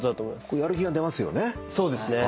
やる気が出ますよね。